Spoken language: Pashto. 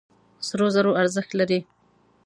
سرو زرو ارزښت لري.